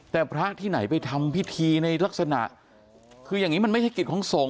แต่พระที่ไหนไปทำพิธีในลักษณะคืออย่างนี้มันไม่ใช่กิจของสงฆ